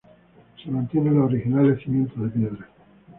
Se mantienen los originales cimientos de piedra.